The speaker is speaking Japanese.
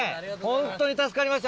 ホントに助かりました